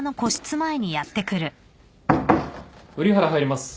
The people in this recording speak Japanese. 瓜原入ります。